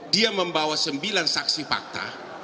dia membawa sembilan saksi fakta